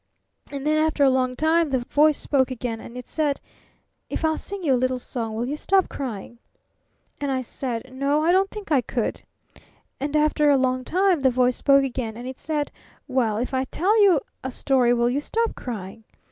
"And then after a long time the Voice spoke again and it said, 'If I'll sing you a little song, will you stop crying?' And I said, 'N o, I don't think I could!' And after a long time the Voice spoke again, and it said, 'Well, if I'll tell you a story will you stop crying?'